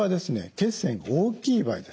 血栓が大きい場合です。